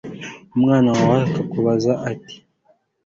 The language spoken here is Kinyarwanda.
umwana wawe akukubaza ati